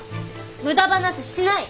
無駄話しない。